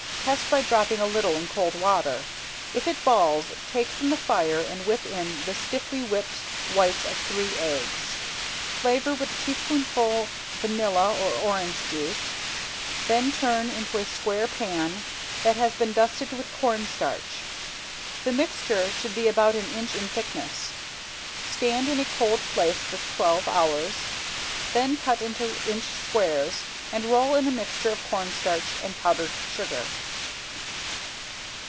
Test by dropping a little in cold water. If it "balls," take from the fire and whip in the stiffly whipped whites of three eggs. Flavor with a teaspoonful vanilla or orange juice, then turn into a square pan that has been dusted with cornstarch. The mixture should be about an inch in thickness. Stand in a cold place for twelve hours, then cut into inch squares and roll in a mixture of cornstarch and powdered sugar.